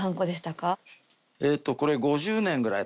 えっとこれ。